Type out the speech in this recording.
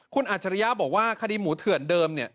คุณอัจฉริยะบอกว่าคดีหมูเถื่อนเดิม